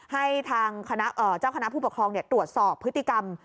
ให้ทางเจ้าคณะผู้ปกครองตรวจสอบพฤติกรรม